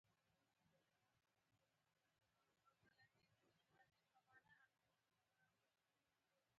د مشرانو جرګې د رامنځ ته کېدو څرنګوالی